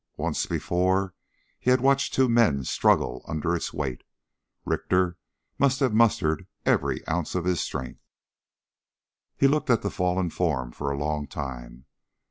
Once, before, he had watched two men struggle under its weight Richter must have mustered every ounce of his strength. He looked at the fallen form for a long time.